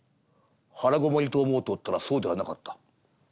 腹籠りと思うとったらそうではなかった。